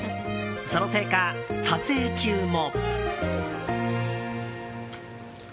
そのせいか撮影中も。